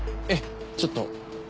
えぇちょっと。